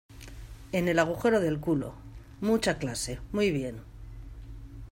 en el agujero del culo. mucha clase, muy bien .